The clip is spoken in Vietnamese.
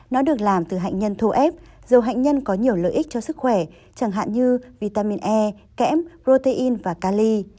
nó được làm từ hạnh nhân thô ép dầu hạnh nhân có nhiều lợi ích cho sức khỏe chẳng hạn như vitamin e kẽm protein và cali